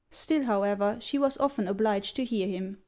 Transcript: Still, however, she was often obliged to hear him.